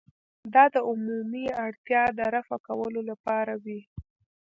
دا د عمومي اړتیا د رفع کولو لپاره وي.